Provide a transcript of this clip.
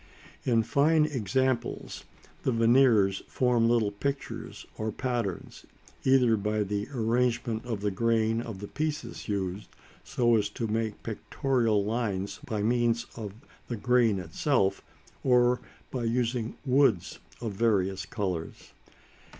In fine examples the veneers form little pictures, or patterns, either by the arrangement of the grain of the pieces used, so as to make pictorial lines by means of the grain itself, or by using woods of various colours.